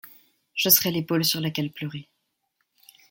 je serais l'épaule sur laquelle pleurer